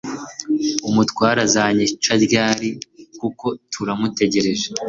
Umutware azanyica ryari kuko tura mutejyereje.